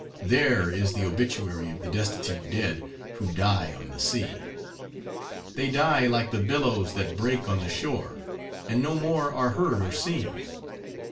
There is the obituary of the destitute dead, who die on the sea. They die, like the billows that break on the shore, and no more are heard or seen.